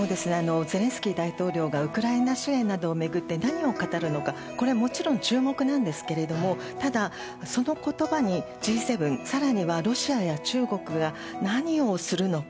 ゼレンスキー大統領がウクライナ支援などを巡って何を語るのかもちろん注目ですがただ、その言葉にＧ７更にはロシアや中国が何をするのか